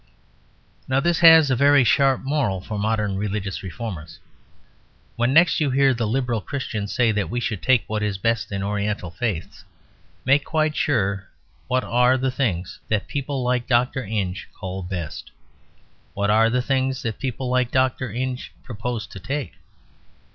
Now this has a very sharp moral for modern religious reformers. When next you hear the "liberal" Christian say that we should take what is best in Oriental faiths, make quite sure what are the things that people like Dr. Inge call best; what are the things that people like Dr. Inge propose to take.